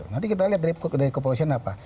nanti kita lihat dari kepolisian apa